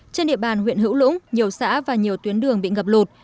trên địa bàn huyện hữu lũng nhiều xã và nhiều tuyến đường bị ngập lụt